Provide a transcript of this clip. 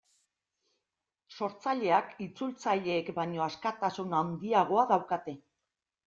Sortzaileak itzultzaileek baino askatasun handiagoa daukate.